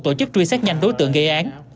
tổ chức truy xét nhanh đối tượng gây án